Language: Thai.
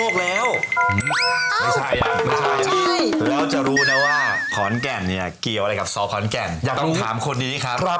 โอเคจังหวัดเชียงใหม่เอ่อซึ่งซึ่งไส้หัวอ่านี่ไม่ทัน